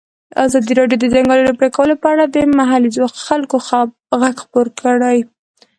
ازادي راډیو د د ځنګلونو پرېکول په اړه د محلي خلکو غږ خپور کړی.